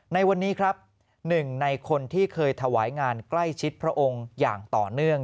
ในวันนี้ครับหนึ่งในคนที่เคยถวายงานใกล้ชิดพระองค์อย่างต่อเนื่อง